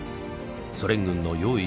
ソ連軍の用意